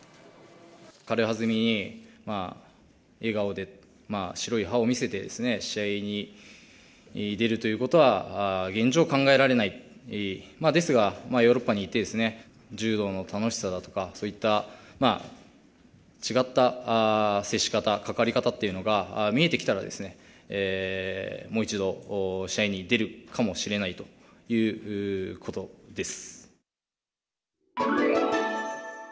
軽はずみに笑顔で、白い歯を見せてですね、試合に出るということは、現状、考えられない、ですが、ヨーロッパに行って、柔道の楽しさだとか、そういった違った接し方、関わり方っていうのが見えてきたら、もう一度、試合に出るかもしれないということです。